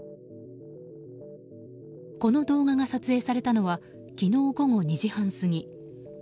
この動画が撮影されたのは昨日午後２時半過ぎ。